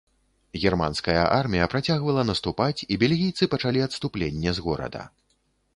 Германская армія працягвала наступаць, і бельгійцы пачалі адступленне з горада.